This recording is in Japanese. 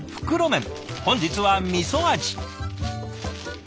本日はみそ味。